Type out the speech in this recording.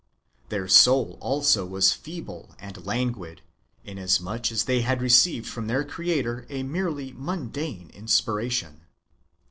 Their soul also was feeble and languid, inasmuch as they had received from their creator a merely mundane inspiration.